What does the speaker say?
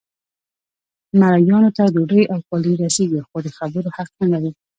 مریانو ته ډوډۍ او کالي رسیږي خو د خبرو حق نه لري.